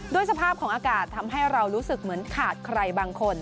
สภาพของอากาศทำให้เรารู้สึกเหมือนขาดใครบางคน